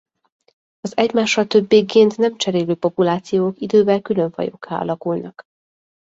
Az egymással többé gént nem cserélő populációk idővel külön fajokká alakulnak.